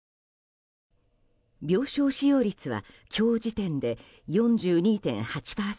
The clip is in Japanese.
病床使用率は今日時点で４２．８％。